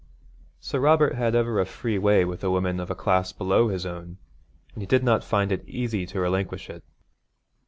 Sir Robert had ever a free way with women of a class below his own, and he did not find it easy to relinquish it.